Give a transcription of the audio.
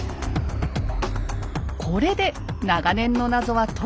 「これで長年の謎は解けた」